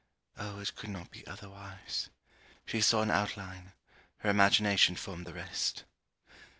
Oh it could not be otherwise! She saw an outline: her imagination formed the rest.